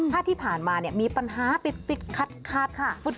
ถ้าที่ผ่านมามีปัญหาติดคัด